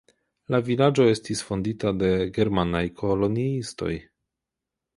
La vilaĝo estis fondita de germanaj koloniistoj.